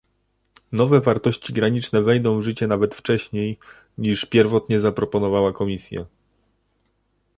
Nowe wartości graniczne wejdą w życie nawet wcześniej, niż pierwotnie zaproponowała Komisja